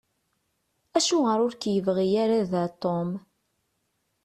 Acuɣeṛ ur k-yebɣi ara da Tom?